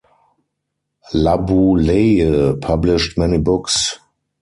Laboulaye published many books.